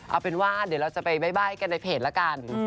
เอาเป็นว่าเดี๋ยวเราจะไปใบ้กันในเพจละกัน